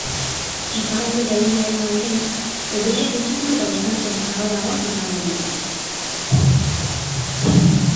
Iparraldera egin ahala, aldiz, hodeiak gutxitu eta ostarteak zabalagoak izango dira.